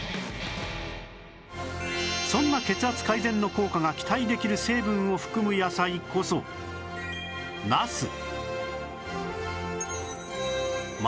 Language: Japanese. そんな血圧改善の効果が期待できる成分を含む野菜こそナス